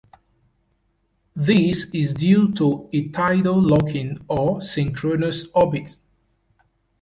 This is due to a tidal locking or synchronous orbit.